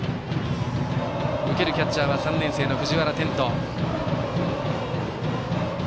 受けるキャッチャーは３年生の藤原天斗。